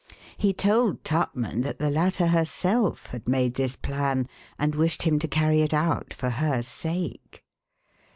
He told Tupman that the latter herself had made this plan and wished him to carry it out for her sake.